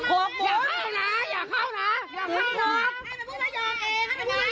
โอ้ยเข้าไปโอ้ย